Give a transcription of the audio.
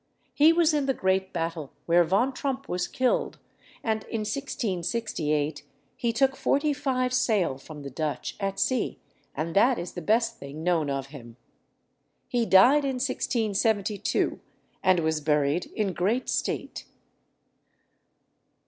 He was in the great battle where Van Tromp was killed, and in 1668 he took forty five sail from the Dutch at sea, and that is the best thing known of him. He died in 1672, and was buried in great state.